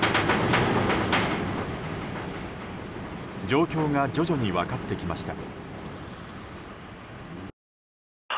状況が徐々に分かってきました。